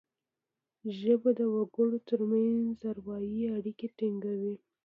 ژبه د وګړو ترمنځ اروايي اړیکي ټینګوي